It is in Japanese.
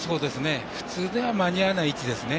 普通では間に合わない位置ですね